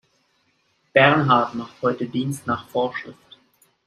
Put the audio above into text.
Bernhard macht heute Dienst nach Vorschrift.